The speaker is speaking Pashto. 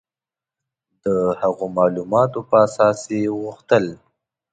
د هغو معلوماتو په اساس یې غوښتل.